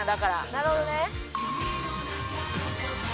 なるほどね。